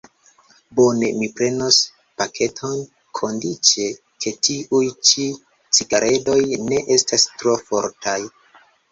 Bone, mi prenos paketon, kondiĉe, ke tiuj ĉi cigaredoj ne estas tro fortaj.